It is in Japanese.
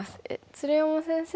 鶴山先生は。